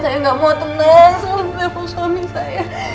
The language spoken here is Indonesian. saya tidak mau tenang saya tidak mau telepon suami saya